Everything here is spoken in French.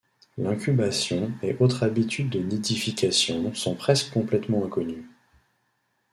L'incubation et autres habitudes de nidification sont presque complètement inconnues.